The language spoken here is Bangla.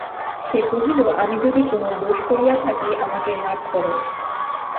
সে কহিল, আমি যদি কোনো দোষ করিয়া থাকি, আমাকে মাপ করো।